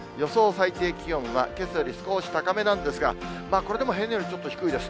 最低気温は、けさより少し高めなんですが、これでも平年よりちょっと低いです。